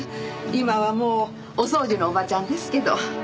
今はもうお掃除のおばちゃんですけど。